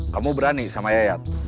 kamu berani sama yayat